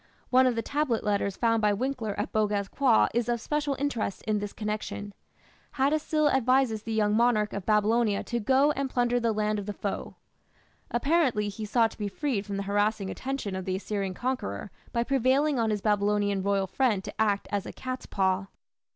One of the tablet letters found by Winckler at Boghaz Köi is of special interest in this connection. Hattusil advises the young monarch of Babylonia to "go and plunder the land of the foe". Apparently he sought to be freed from the harassing attention of the Assyrian conqueror by prevailing on his Babylonian royal friend to act as a "cat's paw".